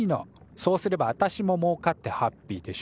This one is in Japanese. そうすればあたしももうかってハッピーでしょ？